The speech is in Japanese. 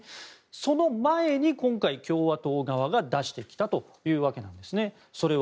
その前に今回、共和党側が出してきたというわけなんです。